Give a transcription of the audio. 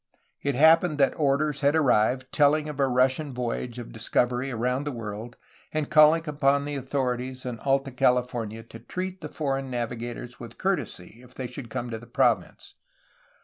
It happened that orders had arrived telling of a Russian voyage of discovery around the world and calling upon the authorities in Alta California to treat the foreign navi gators with courtesy if they should come to the province.